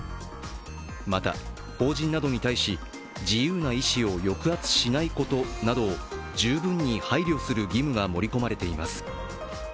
また、法人などに対し自由な意思を抑圧しないことなどを十分に配慮する義務が盛り込まれています。